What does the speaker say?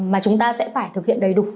mà chúng ta sẽ phải thực hiện đầy đủ